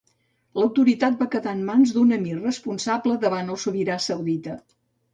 L'autoritat va quedar en mans d'un emir responsable davant el sobirà saudita.